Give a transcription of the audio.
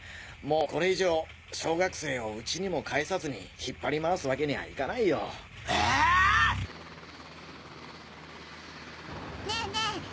もうこれ以上小学生を家にも帰さずに引っ張り回すわけにはいかないよ。えっ！？ねぇねぇ